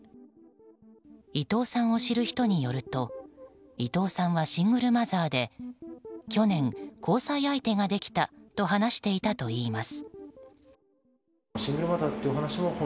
伊藤さんを知る人によると伊藤さんはシングルマザーで去年、交際相手ができたと話していたといいます。